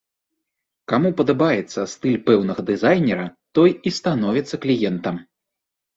Каму падабаецца стыль пэўнага дызайнера, той і становіцца кліентам.